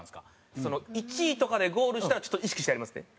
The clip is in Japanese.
１位とかでゴールしたらちょっと意識してやりますね。